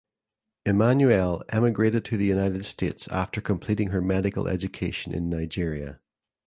Immanuel emigrated to the United States after completing her medical education in Nigeria.